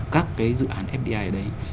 các cái dự án fdi đấy